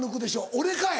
俺かい！